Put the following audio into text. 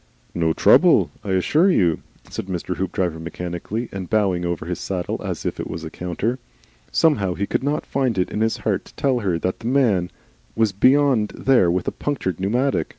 "No trouble. 'Ssure you," said Mr. Hoopdriver, mechanically and bowing over his saddle as if it was a counter. Somehow he could not find it in his heart to tell her that the man was beyond there with a punctured pneumatic.